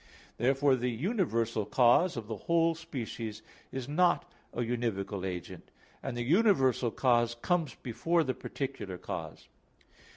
Therefore the universal cause of the whole species is not an univocal agent; and the universal cause comes before the particular cause.